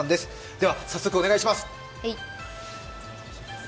では早速お願いします。